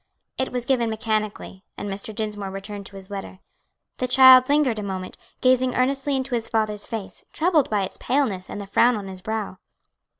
It was given mechanically, and Mr. Dinsmore returned to his letter. The child lingered a moment, gazing earnestly into his father's face, troubled by its paleness and the frown on his brow.